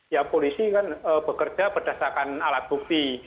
ya polisi kan bekerja berdasarkan alat bukti